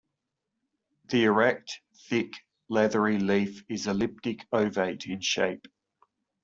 The erect, thick, leathery leaf is elliptic-ovate in shape.